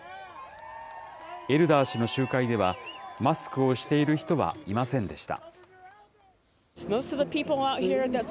エルダー氏の集会では、マスクをしている人はいませんでした。